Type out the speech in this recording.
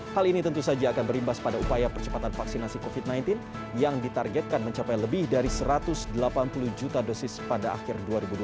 hal ini tentu saja akan berimbas pada upaya percepatan vaksinasi covid sembilan belas yang ditargetkan mencapai lebih dari satu ratus delapan puluh juta dosis pada akhir dua ribu dua puluh